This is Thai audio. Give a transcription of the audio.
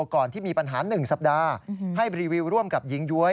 ก่อนที่มีปัญหา๑สัปดาห์ให้รีวิวร่วมกับหญิงย้วย